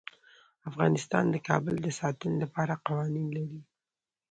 افغانستان د کابل د ساتنې لپاره قوانین لري.